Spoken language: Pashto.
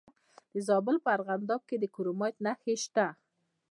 د زابل په ارغنداب کې د کرومایټ نښې شته.